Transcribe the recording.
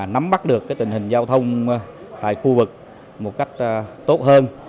nắm bắt được tình hình giao thông tại khu vực một cách tốt hơn